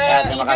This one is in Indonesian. ya terima kasih